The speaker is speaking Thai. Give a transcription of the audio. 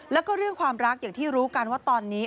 แล้วก็เรื่องความรักอย่างที่รู้กันว่าตอนนี้